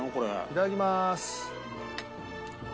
いただきます。